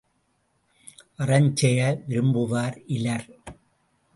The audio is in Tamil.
அறஞ் செய விரும்புவார் இலர்.